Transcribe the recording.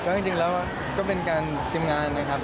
ก็จริงแล้วก็เป็นการเตรียมงานนะครับ